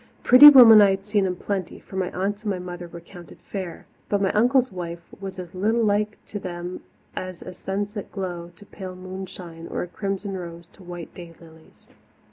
Pretty women I had seen in plenty, for my aunts and my mother were counted fair, but my uncle's wife was as little like to them as a sunset glow to pale moonshine or a crimson rose to white day lilies.